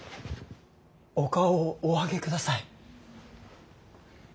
お顔をお上げください。